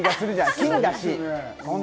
金だし。